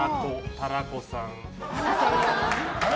たらこさん。